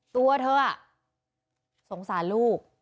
ตัวเธอสงสารลูก